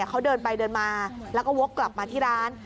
เขาเดินไปเดินมาแล้วก็วกกลับมาที่ร้าน